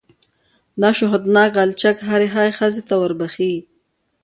دا شهوتناک غلچک هرې هغې ښځې ته وربښې.